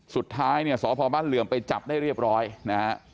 สุดท้ายเนี่ยสพบ้านเหลื่อมไปจับได้เรียบร้อยนะฮะ